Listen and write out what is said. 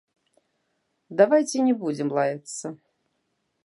Давайце не будзем лаяцца.